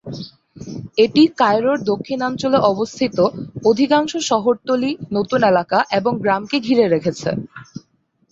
এটি কায়রোর দক্ষিণাঞ্চলে অবস্থিত অধিকাংশ শহরতলী, নতুন এলাকা এবং গ্রামকে ঘিরে রেখেছে।